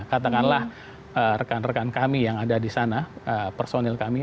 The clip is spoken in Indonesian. katakanlah rekan rekan kami yang ada di sana personil kami